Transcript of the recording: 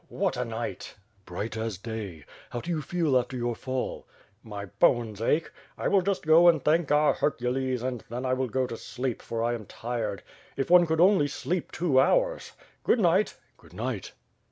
"What a night!" "Bright as day. How do you feel after your fall?" "My bones ache. I will just go and thank our Hercules, and then I will go to sleep, for I am tired. If one could only sleep two hours. Good night." "Good night!"